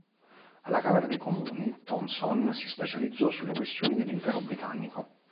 Alla Camera dei Comuni Thomson si specializzò sulle questioni dell'impero britannico.